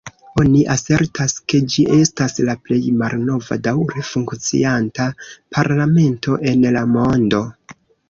Oni asertas, ke ĝi estas la plej malnova daŭre funkcianta parlamento en la mondo.